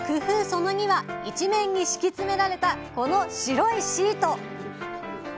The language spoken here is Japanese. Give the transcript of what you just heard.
その２は「一面に敷き詰められたこの白いシート」！